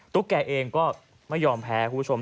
แกเองก็ไม่ยอมแพ้คุณผู้ชม